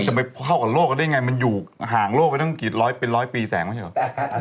จะไปเข้ากับโลกกันได้ไงมันอยู่ห่างโลกไปตั้งกี่ร้อยเป็นร้อยปีแสงไม่ใช่เหรอ